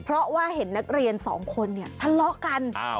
เพราะว่าเห็นนักเรียนสองคนเนี่ยทะเลาะกัน